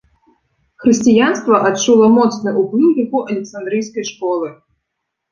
Хрысціянства адчула моцны ўплыў яго александрыйскай школы.